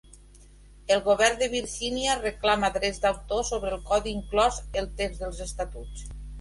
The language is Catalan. El govern de Virgínia reclama drets d'autor sobre el Codi, inclòs el text dels estatuts.